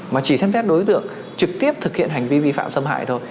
mà chỉ xem phép đối tượng trực tiếp thực hiện hành vi vi phạm xâm hại thôi